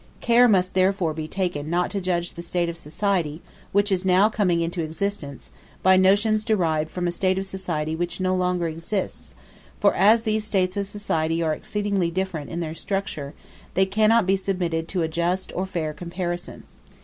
Care must therefore be taken not to judge the state of society, which is now coming into existence, by notions derived from a state of society which no longer exists; for as these states of society are exceedingly different in their structure, they cannot be submitted to a just or fair comparison.